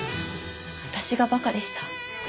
私が馬鹿でした。